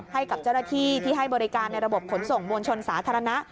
ให้กับเจ้าหน้าที่ที่ให้บริการในระบบขนส่งมวลชนสาธารณะ